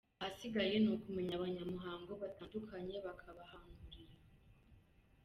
Ahasigaye ni ukumenya abanyamuhango batanduye, bakabahamurira!